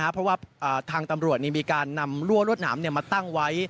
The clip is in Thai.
เพราะว่าทางตำรวจมีการนำรั่วรวดหนามมาตั้งไว้